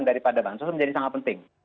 daripada bansos menjadi sangat penting